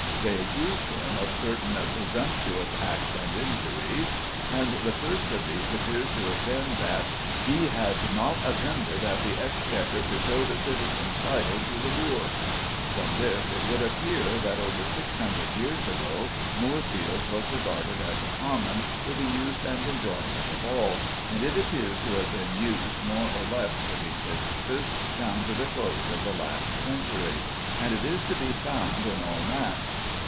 They accused him of certain "presumptuous acts and injuries," and the first of these appears to have been that "He had not attended at the Exchequer to show the citizens' title to the Moor." From this it would appear that over 600 years ago Moorfields was regarded as a common for the use and enjoyment of all, and it appears to have been used more or less for these purposes down to the close of the last century, and it is to be found in all maps.